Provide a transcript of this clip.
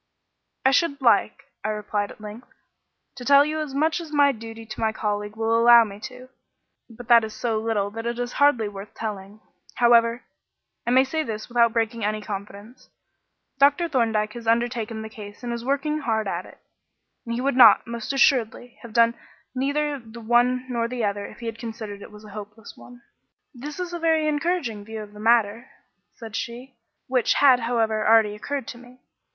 "I should like," I replied at length, "to tell you as much as my duty to my colleague will allow me to; but that is so little that it is hardly worth telling. However, I may say this without breaking any confidence: Dr. Thorndyke has undertaken the case and is working hard at it, and he would, most assuredly, have done neither the one nor the other if he had considered it a hopeless one." "That is a very encouraging view of the matter," said she, "which, had, however, already occurred to me.